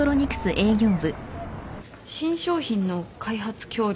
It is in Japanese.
新商品の開発協力ですか？